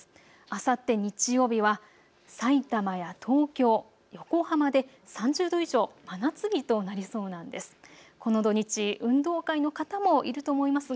あさって日曜日はさいたまや東京、横浜で３０度以上、真夏日となりそうなんです。